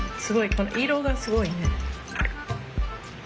この色がすごいね。